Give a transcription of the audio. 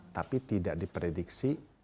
tapi tidak di prediksi